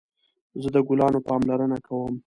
زه د ګلانو پاملرنه کوم